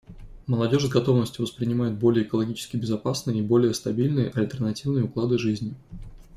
Молодежь с готовностью воспринимает более экологически безопасные и более стабильные альтернативные уклады жизни.